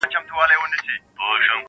څوک و یوه او څوک وبل ته ورځي,